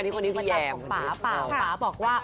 นี่เป็นเมนูปั๊ต่าของป๊าบอกว่า